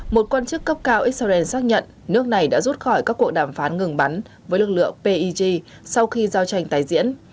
một quan chức cấp cao israel xác nhận nước này đã rút khỏi các cuộc đàm phán ngừng bắn với lực lượng pig sau khi giao tranh tài diễn